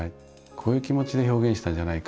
こういう気持ちで表現したんじゃないか？